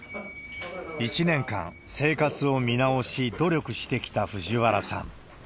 １年間、生活を見直し、努力してきた藤原さん。